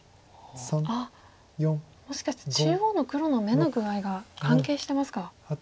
あっもしかして中央の黒の眼の具合が関係してますか。